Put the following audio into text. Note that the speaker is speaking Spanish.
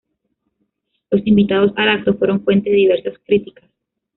Los invitados al acto fueron fuente de diversas críticas.